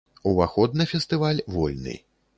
Уваход на фестываль вольны.